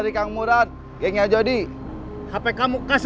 sekarang sudah trials